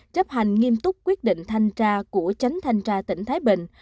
chấp hành nghiêm túc quyết định thanh cha của chánh thanh cha tỉnh thái bình